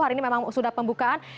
hari ini memang sudah pembukaan